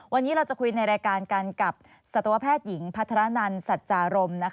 วันนี้เราจะคุยในรายการกันกับสัตวแพทย์หญิงพัฒนันสัจจารม